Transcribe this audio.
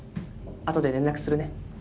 あとで連絡するね。